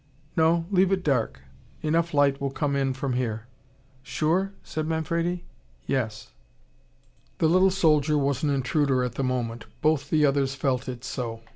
"No leave it dark. Enough light will come in from here." "Sure?" said Manfredi. "Yes." The little soldier was an intruder at the moment. Both the others felt it so.